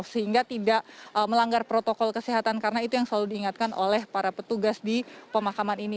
sehingga tidak melanggar protokol kesehatan karena itu yang selalu diingatkan oleh para petugas di pemakaman ini